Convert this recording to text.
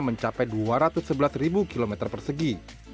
mencapai dua ratus sebelas km persegi